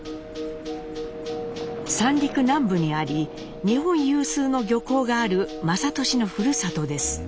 三陸南部にあり日本有数の漁港がある雅俊のふるさとです。